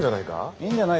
いいんじゃない？